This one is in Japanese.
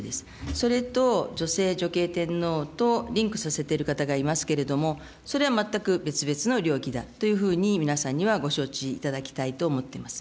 それと、女性女系天皇とリンクさせている方がいますけれども、それは全く別々の領域だというふうに、皆さんにはご承知いただきたいと思っています。